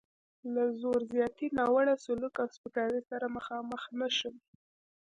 له زور زیاتي، ناوړه سلوک او سپکاوي سره مخامخ نه شي.